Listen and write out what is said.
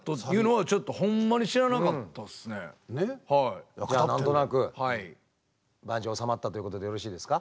あれがだからじゃあ何となく万事収まったということでよろしいですか？